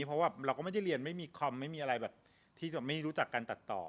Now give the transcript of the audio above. เพราะว่าเราก็ไม่ได้เรียนไม่มีคอมไม่มีอะไรแบบที่จะไม่รู้จักการตัดต่อ